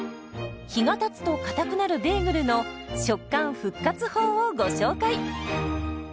日がたつとかたくなるベーグルの食感復活法をご紹介。